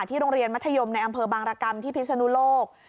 โรงเรียนมัธยมในอำเภอบางรกรรมที่พิศนุโลก